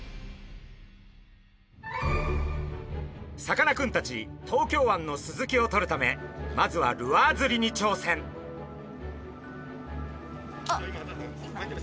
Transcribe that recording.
さかなクンたち東京湾のスズキをとるためまずはルアー釣りにちょうせん！